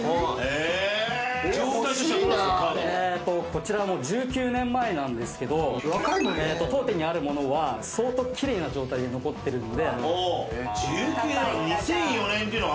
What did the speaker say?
こちら１９年前なんですけど当店にあるものは相当奇麗な状態で残ってるので。